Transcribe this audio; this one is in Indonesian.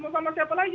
mau sama siapa lagi